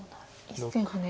１線ハネ。